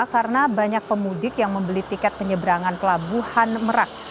karena banyak pemudik yang membeli tiket penyeberangan pelabuhan merak